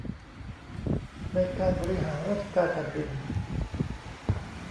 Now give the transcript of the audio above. ในการบริหารราชการแผ่นดิน